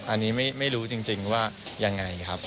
อันนี้ไม่รู้จริงว่ายังไงครับ